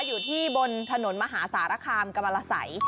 อยู่ที่บนถนนมหาสารคามกรรมละสัย